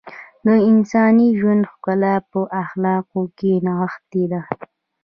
د انساني ژوند ښکلا په اخلاقو کې نغښتې ده .